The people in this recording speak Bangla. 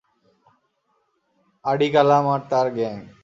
আডিকালাম আর তার গ্যাং।